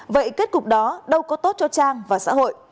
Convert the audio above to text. vậy kết cục đó đâu có tốt cho trang và xã hội